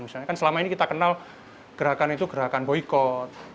misalnya kan selama ini kita kenal gerakan itu gerakan boykot